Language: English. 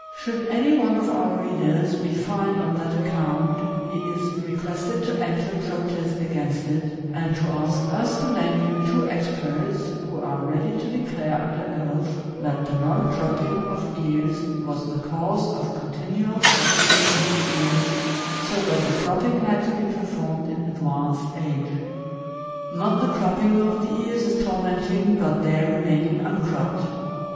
Should any one of our readers be fined on that account, he is requested to enter protest against ft, and to ask us to name him two experts who are ready to declare under oath that the non cropping of ea's was the cause of continual suffering in the ears, so that the cropping had to be performed in advanced age. Not the cropping of the ears is tormenting, but their remaining uncropped.